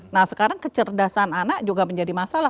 nah sekarang kecerdasan anak juga menjadi masalah